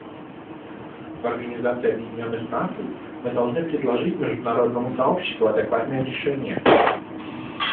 В Организации Объединенных Наций мы должны предложить международному сообществу адекватные решения.